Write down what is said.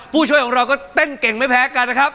ผู้ช่วยของเราก็เต้นเก่งไม่แพ้กันนะครับ